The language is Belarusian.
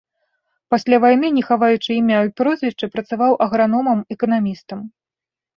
Пасля вайны, не хаваючы імя і прозвішча, працаваў аграномам-эканамістам.